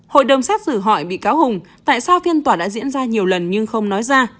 hội đồng xét xử hỏi bị cáo hùng tại sao phiên tòa đã diễn ra nhiều lần nhưng không nói ra